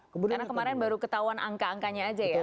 karena kemarin baru ketahuan angka angkanya aja ya